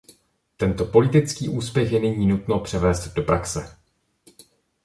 Tento politický úspěch je nyní nutno převést do praxe.